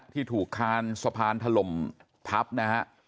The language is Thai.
ที่ถูกคานสะพานถล่มทับนะฮะ